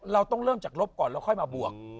เราต้องเริ่มจากลบก่อนแล้วค่อยมาบวก